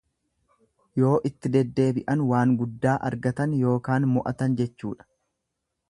Yoo itti deddeebi'an waan guddaa argatan yookaan mo'atan jechuudha.